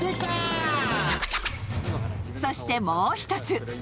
そしてもう一つ。